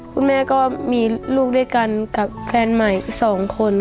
คุณแม่ก็มีลูกด้วยกันกับแฟนใหม่อีก๒คน